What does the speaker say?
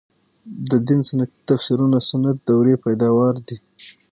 د دین سنتي تفسیرونه سنت دورې پیداوار دي.